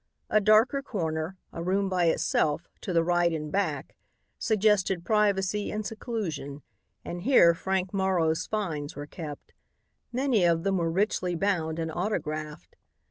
A darker corner, a room by itself, to the right and back, suggested privacy and seclusion and here Frank Morrow's finds were kept. Many of them were richly bound and autographed.